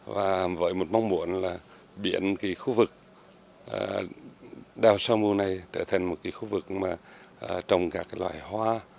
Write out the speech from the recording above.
và với một mong muốn là biển khu vực đèo samu này trở thành một khu vực trồng các loại hoa